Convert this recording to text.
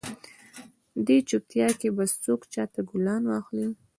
دې چوپیتا کې به څوک چاته ګلان واخلي؟